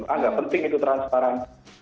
agak penting itu transparan